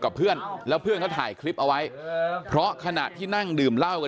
กับเพื่อนแล้วเพื่อนเขาถ่ายคลิปเอาไว้เพราะขณะที่นั่งดื่มเหล้ากัน